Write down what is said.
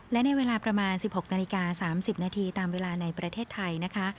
และในเวลาประมาณ๑๖นาฬิกา๓๐นาทีตามเวลาในประเทศไทยนะคะ